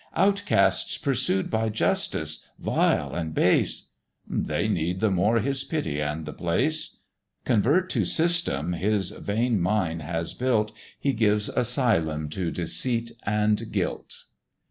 "Outcasts pursued by justice, vile and base;" "They need the more his pity and the place:" Convert to system his vain mind has built, He gives asylum to deceit and guilt.